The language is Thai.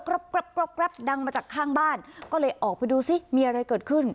กรับกรับกรับกรับดังมาจากข้างบ้านก็เลยออกไปดูสิมีอะไรเกิดขึ้น